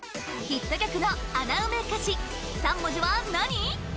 ヒット曲の穴埋め歌詞３文字は何？